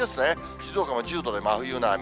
静岡も１０度で真冬並み。